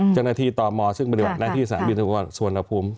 เจ้าหน้าที่ตอมมอต์ซึ่งบริบัติหน้าที่สามบินส่วนละภูมิ